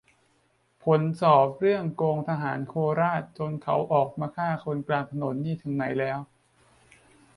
"ผลสอบเรื่องโกงทหารโคราชจนเขาออกมาฆ่าคนกลางถนนนี่ถึงไหนแล้ว"